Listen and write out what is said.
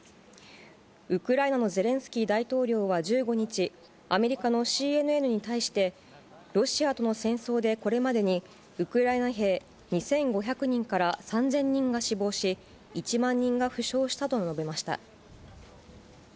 ウクライナのゼレンスキー大統領は１５日、アメリカのＣＮＮに対して、ロシアとの戦争で、これまでにウクライナ兵２５００人から３０００人が死亡し、１万人が負傷したと述べました。